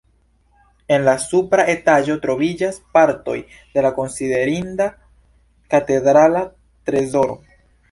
En la supra etaĝo troviĝas partoj de la konsiderinda katedrala trezoro.